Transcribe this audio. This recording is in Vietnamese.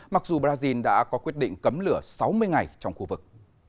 mặc dù brazil đã có quyết định cấm lửa sáu mươi ngày trong khu vực